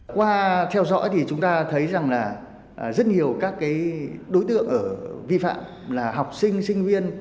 qua theo dõi thì chúng ta thấy rằng là rất nhiều các đối tượng ở vi phạm là học sinh sinh viên